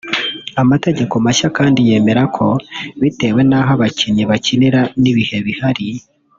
Amategeko mashya kandi yemera ko bitewe n’aho abakinnyi bakinira n’ibihe bihari